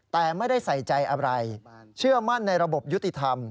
แต่ไม่ได้ใส่ใจอะไรเชื่อมั่นในระบบยุติธรรม